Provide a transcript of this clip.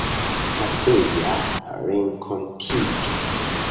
Kafeja renkontiĝo?